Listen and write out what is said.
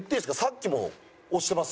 さっきも押してます。